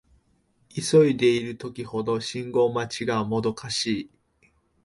急いでいる時ほど信号待ちがもどかしい